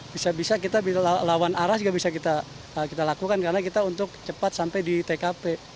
bisa bisa kita lawan arah juga bisa kita lakukan karena kita untuk cepat sampai di tkp